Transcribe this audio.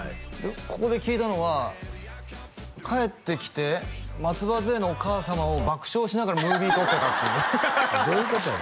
ここで聞いたのは帰ってきて松葉づえのお母様を爆笑しながらムービー撮ってたっていうどういうことや？